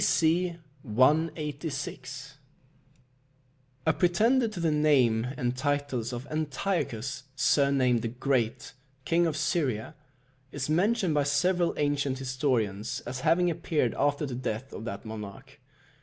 B.C. 186. A pretender to the name and titles of Antiochus, surnamed the Great, King of Syria, is mentioned by several ancient historians as having appeared after the death of that monarch.